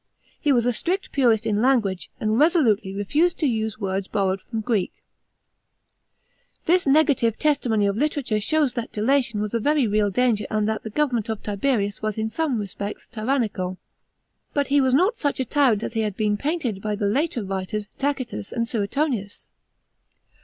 He was a strict purist in language, and icsolutely refused to use words borrowed from Greek. § 28. This negative testimony of literature shows that delation was a very real danger and that the government of Tiberius was in some respects tyrannical. But he was not such a tyrant as he has been painted by the later writers Tacitus and Suetonius.